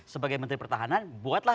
sebagai menteri pertahanan buatlah